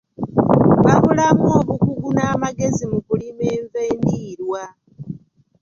Babulamu obukugu n'amagezi mu kulima enva endiirwa.